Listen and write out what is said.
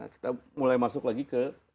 kita mulai masuk lagi ke